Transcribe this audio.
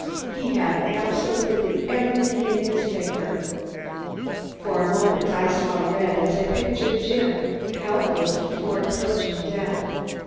He had absolutely everything in his favor." For a moment I saw red as I pictured Jim, helpless before approaching death.